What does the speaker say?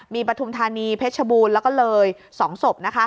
มีปฐุมธานีเพชรบูรณ์แล้วก็เลย๒ศพ